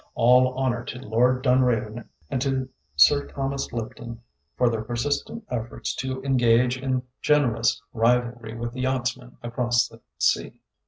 All honor to Lord Dunraven and to Sir Thomas Lipton for their persistent efforts to engage in generous rivalry with the yachtsmen across the sea.